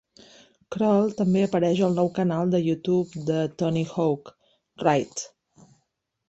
Krall també apareix al nou canal de YouTube de Tony Hawk, Ride.